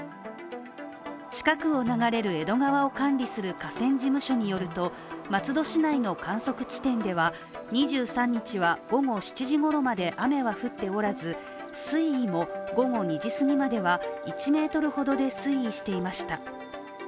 近くを流れる江戸川を管理する河川事務所によると、松戸市内の観測地点では２３日は午後７時ごろまで雨は降っておらず、水位も午後２時すぎまでは１ｍほどで推移していました。